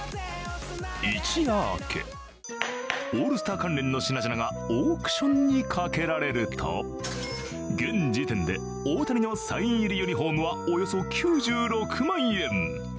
一夜明け、オールスター関連の品々がオークションにかけられると現時点で大谷のサイン入りユニフォームはおよそ９６万円。